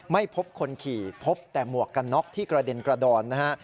ไม่พบคนขี่พบแต่หมวกกันน็อกที่กระเด็นกระดอนนะฮะ